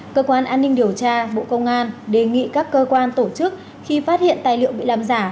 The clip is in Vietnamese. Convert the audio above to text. cơ quan an ninh điều tra bộ công an đề nghị các cơ quan tổ chức khi phát hiện tài liệu bị làm giả